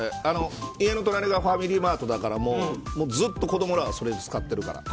家の隣がファミリーマートだからずっと子どもらはそれで使ってるから。